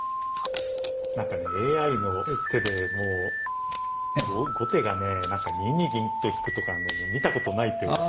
何かねＡＩの手でもう後手がね何か２二銀と引くとか見たことない手を。